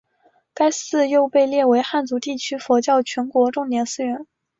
该寺又被列为汉族地区佛教全国重点寺院。